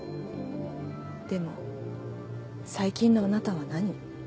でも最近のあなたは何？